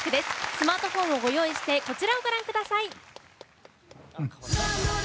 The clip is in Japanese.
スマートフォンをご用意してこちらをご覧ください。